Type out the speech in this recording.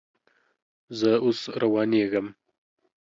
زه اوس روانېږم